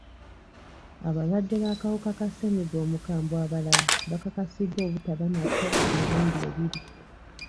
Abalwadde b'akawuka ka ssennyiga omukambwe abalala bakakasiddwa obutaba nako emirundi ebiri.